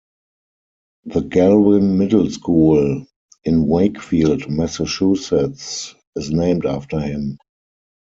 The Galvin Middle School in Wakefield, Massachusetts, is named after him.